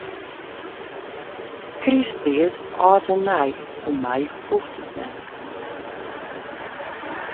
Krysttiid, âld en nij, om my hoecht it net.